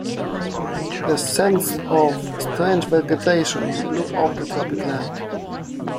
The scents of strange vegetation blew off the tropic land.